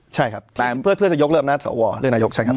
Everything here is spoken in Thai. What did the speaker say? ใช่ครับเพื่อจะยกเริ่มนัดสอวรเรื่องนายกใช่ครับ